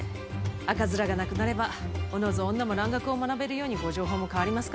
赤面がなくなればおのず女も蘭学を学べるようにご定法も変わりますかね。